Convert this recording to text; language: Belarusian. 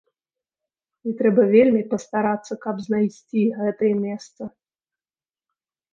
І трэба вельмі пастарацца, каб знайсці гэтае месца.